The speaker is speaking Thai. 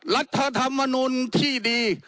รัฐธรรมนุนที่ดี